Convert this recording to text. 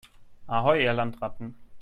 Ahoi, ihr Landratten!